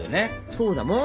そうだもん！